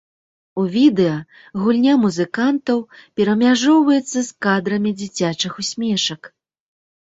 У відэа гульня музыкантаў перамяжоўваецца з кадрамі дзіцячых усмешак.